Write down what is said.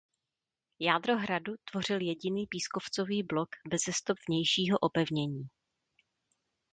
Jádro hradu tvořil jediný pískovcový blok beze stop vnějšího opevnění.